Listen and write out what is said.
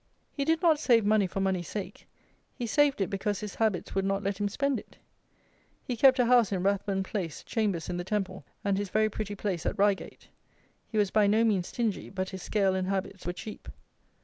He did not save money for money's sake. He saved it because his habits would not let him spend it. He kept a house in Rathbone Place, chambers in the Temple, and his very pretty place at Reigate. He was by no means stingy, but his scale and habits were cheap.